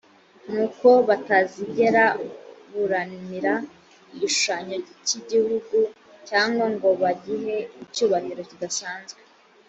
nuko batazigera bunamira igishushanyo cy igihugu cyangwa ngo bagihe icyubahiro kidasanzwe